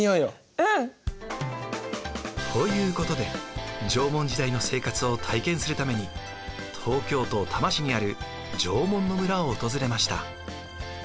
うん。ということで縄文時代の生活を体験するために東京都多摩市にある縄文の村を訪れました。